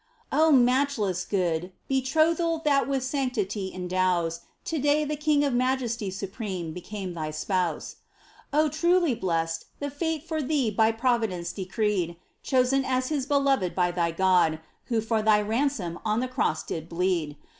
Oh, matchless good ! Betrothal that with sanctity endows ! To day the King of Majesty supreme Became thy Spouse ! Oh, truly blest The fate for thee by Providence decreed ! Chosen as His beloved by thy God Who for thy ransom on the cross did bleed